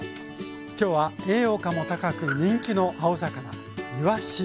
今日は栄養価も高く人気の青魚いわし。